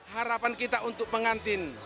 harapan kita untuk pengantin